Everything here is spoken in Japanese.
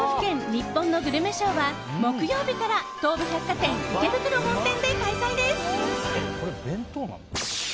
にっぽんのグルメショーは木曜日から東武百貨店池袋本店で開催です。